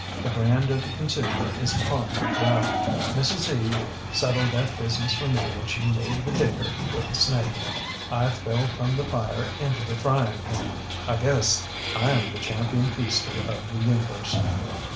The brand of the consumer is upon my brow. Mrs. Eve settled that business for me when she made the dicker with the snake. I fell from the fire into the frying pan. I guess IŌĆÖm the Champion Feaster of the Universe.